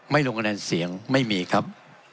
ลงคะแนนเสียงไม่มีครับ